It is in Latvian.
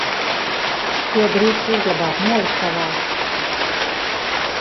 Ko drīkst uzglabāt noliktavā?